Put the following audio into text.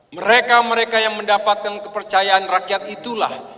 mereka mereka yang mendapatkan kepercayaan rakyat itulah